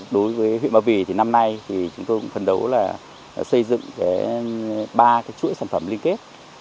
đối với huyện mà vì năm nay chúng tôi phân đấu xây dựng ba chuỗi sản phẩm liên kết